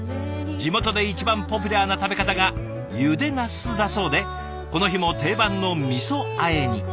地元で一番ポピュラーな食べ方がゆでなすだそうでこの日も定番の味あえに。